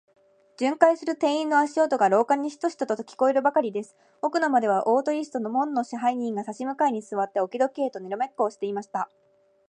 巡回する店員の足音が、廊下にシトシトと聞こえるばかりです。奥の間では、大鳥氏と門野支配人が、さし向かいにすわって、置き時計とにらめっこをしていました。